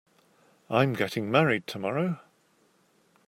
I'm getting married tomorrow.